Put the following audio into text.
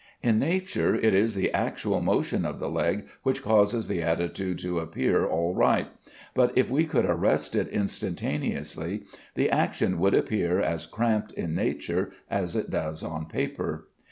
In nature it is the actual motion of the leg which causes the attitude to appear all right; but if we could arrest it instantaneously, the action would appear as cramped in nature as it does on paper.